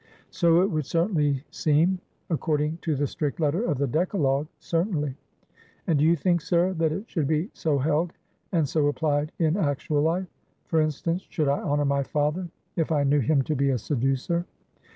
"So it would certainly seem, according to the strict letter of the Decalogue certainly." "And do you think, sir, that it should be so held, and so applied in actual life? For instance, should I honor my father, if I knew him to be a seducer?"